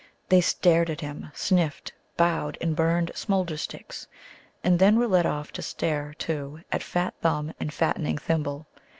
They stared at him, sniffed, bowed, and burned smoulder sticks, and then were led off to stare too at fat Thumb and fattening Thimble.